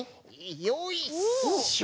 よいしょ！